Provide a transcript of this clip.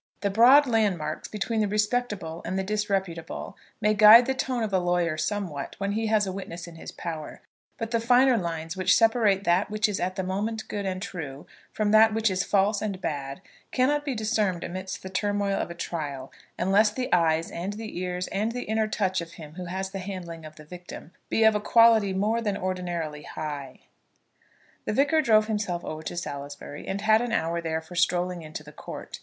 The broad landmarks between the respectable and the disreputable may guide the tone of a lawyer somewhat, when he has a witness in his power; but the finer lines which separate that which is at the moment good and true from that which is false and bad cannot be discerned amidst the turmoil of a trial, unless the eyes, and the ears, and the inner touch of him who has the handling of the victim be of a quality more than ordinarily high. The Vicar drove himself over to Salisbury and had an hour there for strolling into the court.